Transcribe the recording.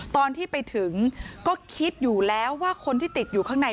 ตอนที่ไปถึงก็คิดอยู่แล้วว่าคนที่ติดอยู่ข้างใน